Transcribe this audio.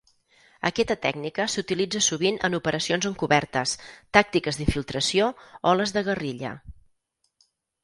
Aquesta tècnica s'utilitza sovint en operacions encobertes, tàctiques d'infiltració o les de guerrilla.